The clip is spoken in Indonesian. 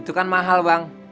itu kan mahal bang